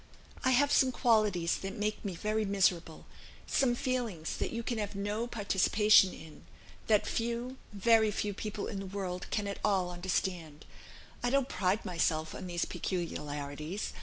... I have some qualities that make me very miserable, some feelings that you can have no participation in that few, very few, people in the world can at all understand. I don't pride myself on these peculiarities.